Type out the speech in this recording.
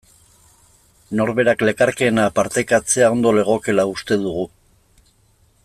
Norberak lekarkeena partekatzea ondo legokeela uste dugu.